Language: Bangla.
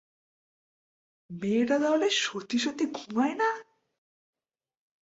মেয়েটা তাহলে সত্যি-সত্যি ঘুমায় না?